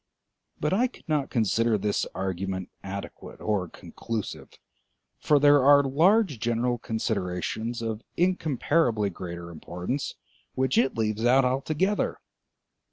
But I could not consider this argument adequate or conclusive, for there are large general considerations of incomparably greater importance which it leaves out altogether.